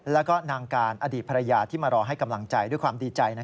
แล้วก็นางการอดีตภรรยาที่มารอให้กำลังใจด้วยความดีใจ